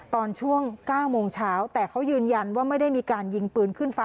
ตอนช่วง๙โมงเช้าแต่เขายืนยันว่าไม่ได้มีการยิงปืนขึ้นฟ้า